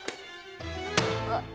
あっ。